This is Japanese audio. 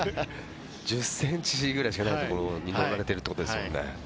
１０ｃｍくらいしかないところに乗られてるってことですもんね。